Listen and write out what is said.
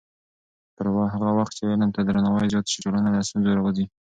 پر هغه وخت چې علم ته درناوی زیات شي، ټولنه له ستونزو راووځي.